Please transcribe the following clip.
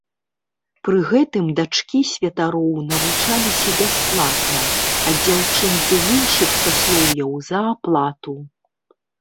Пры гэтым дачкі святароў навучаліся бясплатна, а дзяўчынкі з іншых саслоўяў за аплату.